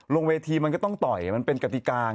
ลงเวทีมันก็ต้องต่อยมันเป็นกติกา